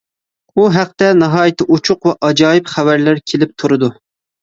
ئۇ ھەقتە ناھايىتى ئوچۇق ۋە ئاجايىپ خەۋەرلەر كېلىپ تۇرىدۇ.